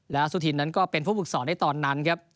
และสุธินทร์นั้นก็เป็นผู้ฝึกศอดได้ตอนนั้นครับ